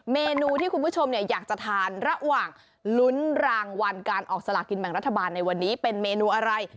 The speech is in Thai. เมนูที่คุณผู้ชมอยากจะทานระหว่างลุ้นรางวัลการออกสลากินแบ่งรัฐบาลในวันนี้เป็นเมนูอะไร